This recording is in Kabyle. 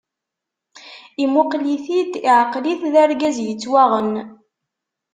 Imuqel-it-id iɛqel-it d argaz yettwaɣen.